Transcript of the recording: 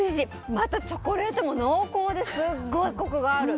またチョコレートも濃厚ですごいコクがある！